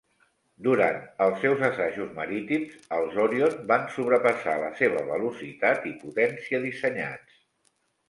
Durant els seus assajos marítims, els "Orion" van sobrepassar la seva velocitat i potència dissenyats.